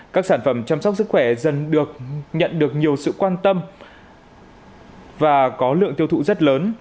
các sản phẩm chăm sóc sức khỏe dần được nhận được nhiều sự quan tâm và có lượng tiêu thụ rất lớn